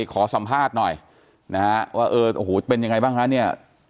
ขอสัมภาษณ์หน่อยนะฮะว่าเออโอ้โหเป็นยังไงบ้างฮะเนี่ย